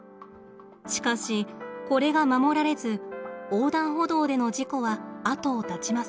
しかしこれが守られず横断歩道での事故は後を絶ちません。